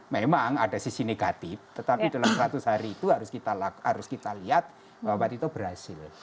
memang ada sisi negatif tetapi dalam seratus hari itu harus kita lihat bahwa pak tito berhasil